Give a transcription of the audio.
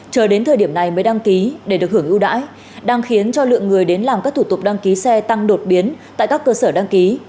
chờ đến thời điểm này mới đăng ký để được hưởng ưu đãi đang khiến cho lượng người đến làm các thủ tục đăng ký xe tăng đột biến tại các cơ sở đăng ký